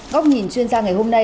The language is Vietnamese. góc nhìn chuyên gia ngày hôm nay